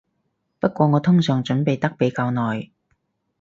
不過我通常準備得比較耐